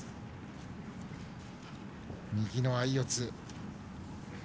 右の相四つ。